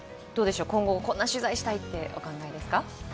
今後どんな取材をしたいとお考えですか。